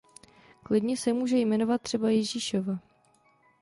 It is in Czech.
Klidně se může jmenovat třeba Ježíšova.